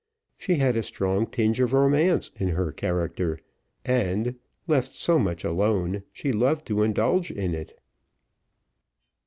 She had a strong tinge of romance in her character, and, left so much alone, she loved to indulge in it.